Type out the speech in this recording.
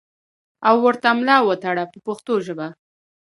او ورته ملا وتړو په پښتو ژبه.